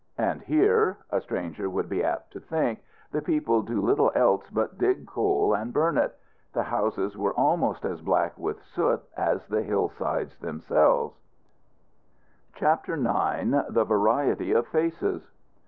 And here, a stranger would be apt to think, the people do little else but dig coal and burn it. The houses were almost as black with soot as the hill sides themselves. [Illustration: POMEROY COAL MINES.] CHAPTER IX. THE VARIETY OF FACES.